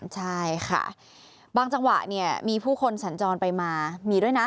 ใช่ค่ะบางจังหวะเนี่ยมีผู้คนสัญจรไปมามีด้วยนะ